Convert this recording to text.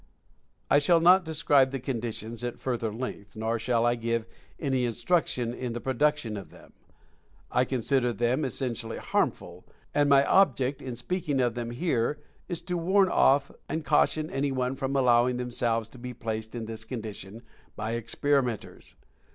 I shall not describe the conditions at further length, nor shall I give any instructions in the production of them. I consider them essentially harmful, and my object in speaking of them here is to warn off and caution anyone from allowing themselves to be placed in this condition by experimenters.